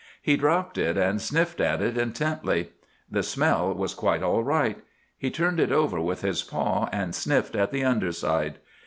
He dropped it, and sniffed at it intently. The smell was quite all right. He turned it over with his paw and sniffed at the under side.